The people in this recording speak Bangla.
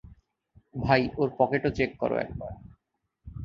ভাই, ওর পকেটও চেক করো একবার।